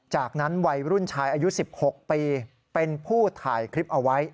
จากนั้นวัยรุ่นชายอายุ๑๖ปีเป็นผู้ถ่ายคลิปเอาไว้